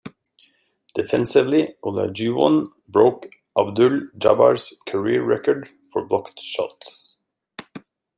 Defensively Olajuwon broke Abdul-Jabbar's career record for blocked shots.